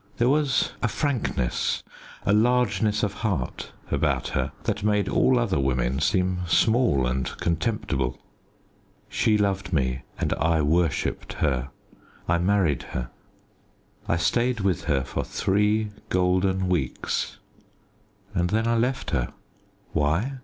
There was a frankness a largeness of heart about her that made all other women seem small and contemptible. She loved me and I worshipped her. I married her, I stayed with her for three golden weeks, and then I left her. Why?